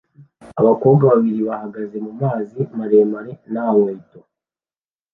Abakobwa babiri bahagaze mumazi maremare nta nkweto